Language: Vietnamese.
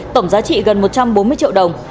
tổng giá trị gần một trăm bốn mươi triệu đồng